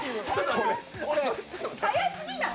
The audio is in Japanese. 速すぎない！？